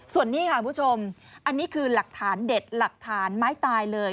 ส่วนนี้ค่ะคุณผู้ชมอันนี้คือหลักฐานเด็ดหลักฐานไม้ตายเลย